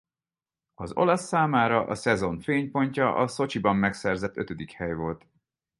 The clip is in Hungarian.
Az olasz számára a szezon fénypontja a Szocsiban megszerzett ötödik hely volt.